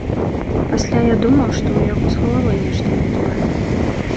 Пасля я думаў, што ў яго з галавой нешта не тое.